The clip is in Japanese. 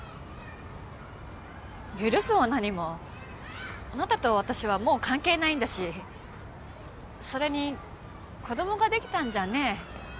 許すも何もあなたと私はもう関係ないんだしそれに子供ができたんじゃね